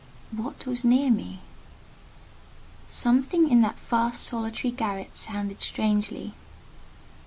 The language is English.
What was near me? Something in that vast solitary garret sounded strangely.